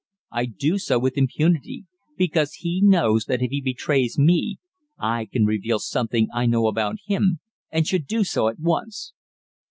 I do so with impunity because he knows that if he betrays me I can reveal something I know about him and should do so at once."